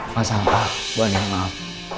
masalah apa boleh maaf